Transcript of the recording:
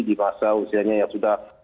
di masa usianya yang sudah